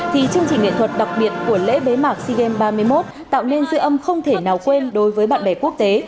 thì chương trình nghệ thuật đặc biệt của lễ bế mạc sea games ba mươi một tạo nên dư âm không thể nào quên đối với bạn bè quốc tế